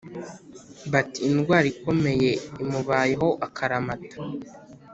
Bati Indwara ikomeye imubayeho akaramata